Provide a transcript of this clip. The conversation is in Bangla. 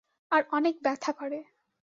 আর অনেক ব্যথা করে।